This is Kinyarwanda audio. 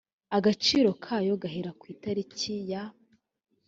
agaciro kayo gahera ku itariki ya